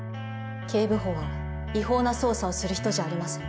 警部補は違法な捜査をする人じゃありません。